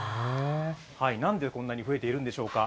なんでこんなに増えているんでしょうか。